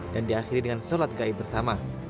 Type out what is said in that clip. dan diakhiri dengan salat goyep bersama